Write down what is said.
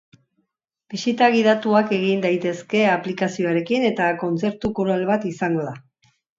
Bisita gidatuak egin daitezke aplikazioarekin eta kontzertu koral bat izango da.